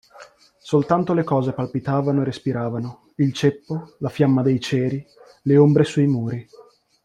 Soltanto le cose palpitavano e respiravano: il ceppo, la fiamma dei ceri, le ombre sui muri.